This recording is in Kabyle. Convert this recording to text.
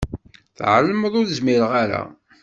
Tɛelmeḍ ur zmireɣ ara.